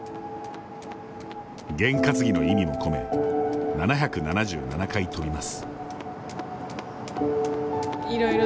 験担ぎの意味も込め７７７回跳びます。